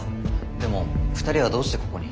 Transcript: でも２人はどうしてここに？